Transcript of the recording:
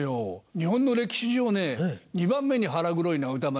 日本の歴史上ね２番目に腹黒いのは歌丸師匠だよ。